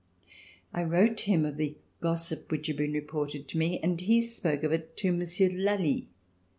I wrote him of the gossip which had been reported to me and he spoke of it to Monsieur de Lally.